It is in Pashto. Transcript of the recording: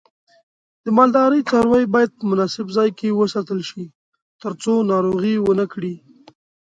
د مالدارۍ څاروی باید په مناسب ځای کې وساتل شي ترڅو ناروغي ونه کړي.